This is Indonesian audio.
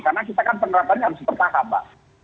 karena kita kan penerapannya harus bertahap pak